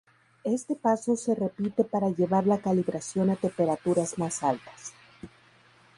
Este paso se repite para llevar la calibración a temperaturas más altas.